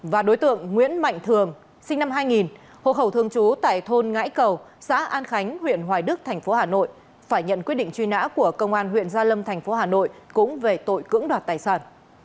và đối tượng nguyễn mạnh thường sinh năm hai nghìn hộ khẩu thương chú tại thôn ngãi cầu xã an khánh huyện hoài đức thành phố hà nội phải nhận quyết định truy nã của công an huyện gia lâm thành phố hà nội cũng về tội cưỡng đoạt tài sản